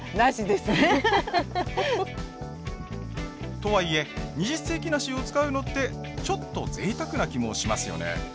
とはいえ二十世紀梨を使うのってちょっとぜいたくな気もしますよね。